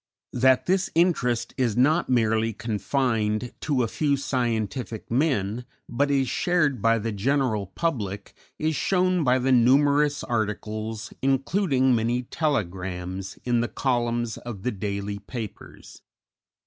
That this interest is not merely confined to a few scientific men, but is shared by the general public, is shown by the numerous articles, including many telegrams, in the columns of the daily papers.